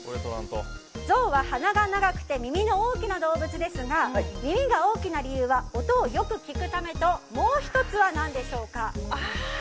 ゾウは鼻が長くて体の大きな動物ですが耳が大きな理由は音をよく聞くためともう１つは何でしょうか。